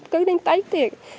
cứ đánh tấy tiền